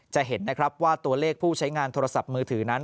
จะเห็นนะครับว่าตัวเลขผู้ใช้งานโทรศัพท์มือถือนั้น